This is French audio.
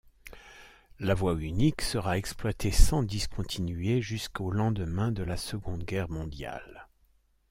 La voie unique sera exploitée sans discontinuer jusqu'au lendemain de la Seconde Guerre mondiale.